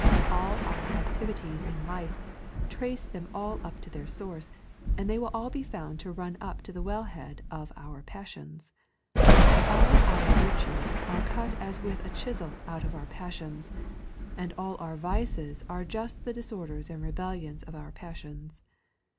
All our activities in life, trace them all up to their source, and they will all be found to run up into the wellhead of our passions. All our virtues are cut as with a chisel out of our passions, and all our vices are just the disorders and rebellions of our passions.